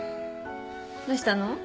どうしたの？